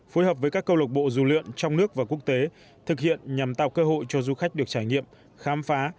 phối hợp với các câu lộc bộ rủ lượn trong nước và quốc tế thực hiện nhằm tạo cơ hội cho du khách được trải nghiệm khám phá